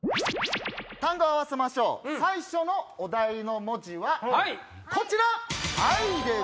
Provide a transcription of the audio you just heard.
単語合わせましょう最初のお題の文字はこちら！